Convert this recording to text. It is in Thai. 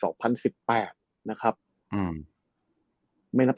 ไม่นับ๒๐๒๒นะเพราะว่า๒๐๒๒นะ